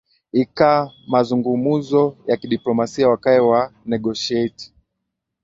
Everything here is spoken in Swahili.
ika mazungumuzo yakidiplomasia wakae wa negotiate